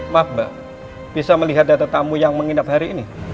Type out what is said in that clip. maaf mbak bisa melihat data tamu yang menginap hari ini